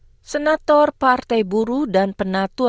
perusahaan ke jangan keburu dan nilaiqua